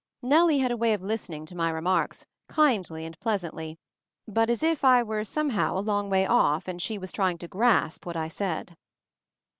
Nellie had a way of listening to my re marks, kindly and pleasantly, but as if I were somehow a long way off and she was trying to grasp what I said.